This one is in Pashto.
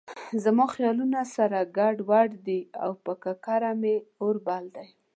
زما خیالونه سره ګډ وډ دي او پر ککره مې اور بل دی.